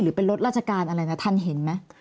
เป็นรถราชการอะไรนะท่านเห็นไหม